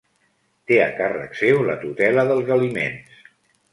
Té a càrrec seu la tutela dels aliments.